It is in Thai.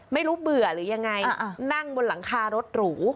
เบื่อหรือยังไงนั่งบนหลังคารถหรู